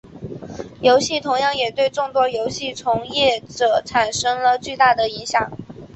游戏同样也对众多游戏从业者产生了巨大影响。